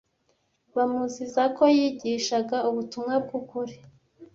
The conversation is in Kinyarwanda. bamuziza ko yigishaga ubutumwa bw ukuri